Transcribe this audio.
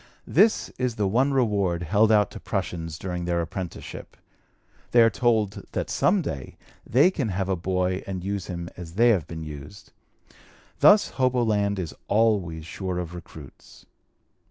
This is the one reward held out to prushuns during their apprenticeship. They are told that some day they can have a boy and use him as they have been used. Thus hoboland is always sure of recruits.